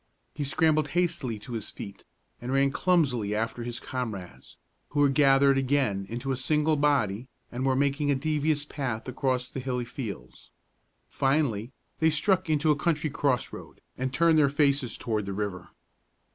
He scrambled hastily to his feet, and ran clumsily after his comrades, who were gathered again into a single body, and were making a devious path across the hilly fields. Finally they struck into a country cross road, and turned their faces toward the river.